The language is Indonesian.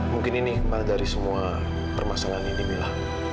mungkin ini kemah dari semua permasalahan ini mila